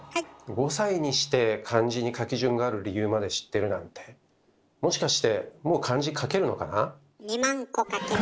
５歳にして漢字に書き順がある理由まで知ってるなんてもしかして２万個書けます。